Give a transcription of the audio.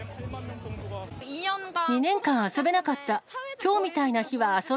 ２年間遊べなかった。